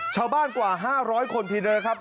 ชาวบ้านกว่า๕๐๐คนทีเลยครับ